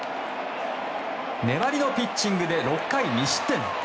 粘りのピッチングで６回２失点。